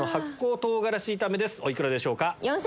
お幾らでしょうか？